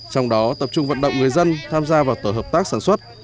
trong đó tập trung vận động người dân tham gia vào tổ hợp tác sản xuất